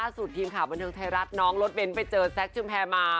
สุดทีมข่าวบันเทิงไทยรัฐน้องรถเบ้นไปเจอแซคชุมแพรมา